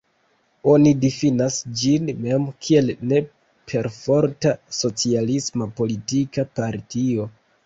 Oni difinas ĝin mem kiel ne-perforta socialisma politika partio.